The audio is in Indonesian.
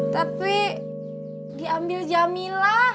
tapi diambil jamilah